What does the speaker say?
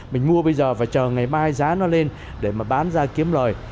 mình mua bây giờ và chờ ngày mai giá nó lên để mà bán ra kiếm lời